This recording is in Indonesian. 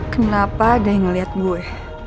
kenapa ada yang melihat gue